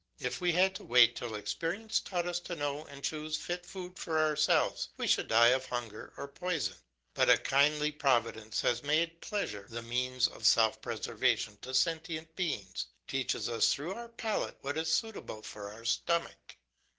If we had to wait till experience taught us to know and choose fit food for ourselves, we should die of hunger or poison; but a kindly providence which has made pleasure the means of self preservation to sentient beings teaches us through our palate what is suitable for our stomach.